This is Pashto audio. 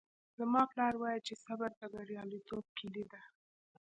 زما پلار وایي چې صبر د بریالیتوب کیلي ده